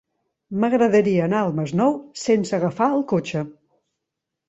M'agradaria anar al Masnou sense agafar el cotxe.